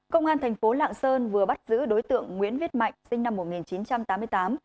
công an thành phố lạng sơn vừa bắt giữ đối tượng nguyễn viết mạnh sinh năm một nghìn chín trăm tám mươi tám